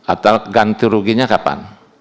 atau ganti ruginya kapan